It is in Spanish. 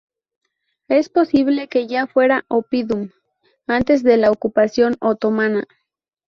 Es posible que ya fuera "oppidum" antes de la ocupación otomana.